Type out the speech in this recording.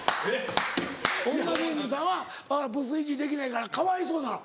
女芸人さんはブスいじりできないからかわいそうなの。